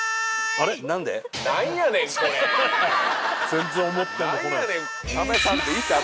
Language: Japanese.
全然思ってんの来ない。